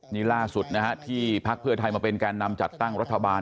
นี่ล่าสุดนะฮะที่พักเพื่อไทยมาเป็นแก่นำจัดตั้งรัฐบาล